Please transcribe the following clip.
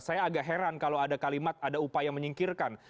saya agak heran kalau ada kalimat ada upaya menyingkirkan